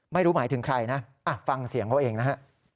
ไม่รู้หมายถึงใครนะฟังเสียงเขาเองนะฮะ